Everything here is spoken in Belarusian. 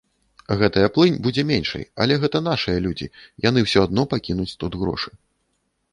Гэтая плынь будзе меншай, але гэта нашыя людзі, яны ўсё адно пакінуць тут грошы.